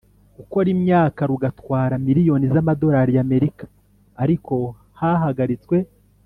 gukora imyaka rugatwara miliyoni z amadolari y Amerika ariko hahagaritswe